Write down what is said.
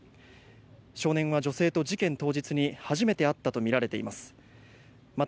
少年は女性と事件当日に初めて会ったとみられています。